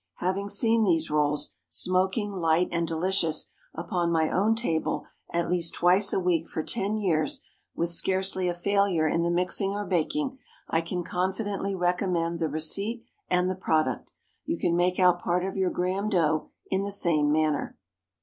Having seen these rolls, smoking, light, and delicious, upon my own table, at least twice a week for ten years, with scarcely a failure in the mixing or baking, I can confidently recommend the receipt and the product. You can make out part of your Graham dough in the same manner.